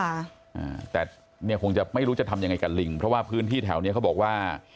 อ่าแต่เนี้ยคงจะไม่รู้จะทำยังไงกับลิงเพราะว่าพื้นที่แถวเนี้ยเขาบอกว่า